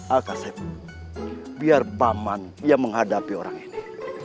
akaset biar baman yang menghadapi orang ini